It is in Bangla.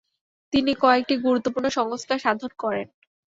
তিনি কয়েকটি গুরুত্বপূর্ণ সংস্কার সাধন করেন।